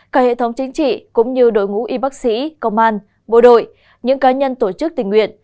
cả hệ thống chính trị cũng như đội ngũ y bác sĩ công an bộ đội những cá nhân tổ chức tình nguyện